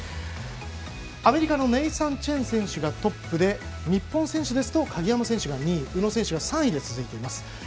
アメリカのネイサン・チェン選手トップで日本選手ですと鍵山選手が２位宇野選手が３位で続いています。